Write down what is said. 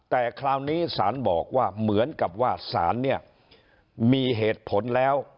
แต่คราวนี้สารบอกว่าเหมือนกับว่าสารเนี่ยมีเหตุผลแล้ว